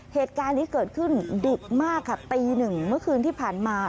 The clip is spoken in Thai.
เหตุการณ์นี้เกิดขึ้นดึกมากค่ะตีหนึ่งเมื่อคืนที่ผ่านมา